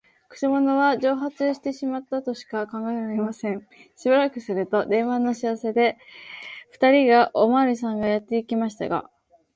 くせ者は蒸発してしまったとしか考えられません。しばらくすると、電話の知らせで、ふたりのおまわりさんがやってきましたが、